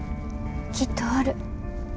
きっとおる。